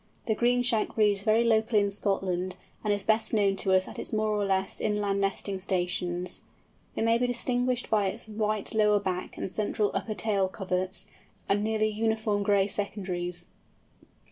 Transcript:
The Greenshank breeds very locally in Scotland, and is best known to us at its more or less inland nesting stations. It may be distinguished by its white lower back and central upper tail coverts, and nearly uniform gray secondaries.